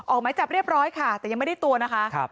หมายจับเรียบร้อยค่ะแต่ยังไม่ได้ตัวนะคะ